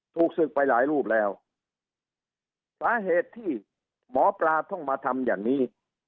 ถูกศึกไปหลายรูปแล้วสาเหตุที่หมอปลาต้องมาทำอย่างนี้